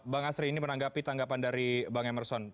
bang asri ini menanggapi tanggapan dari bang emerson